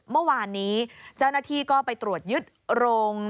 เมื่อวานนี้เจ้าหน้าที่ก็ไปตรวจยึดโรง